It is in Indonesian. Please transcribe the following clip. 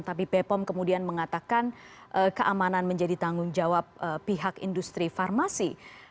tapi bepom kemudian mengatakan keamanan menjadi tanggung jawab pihak industri farmasi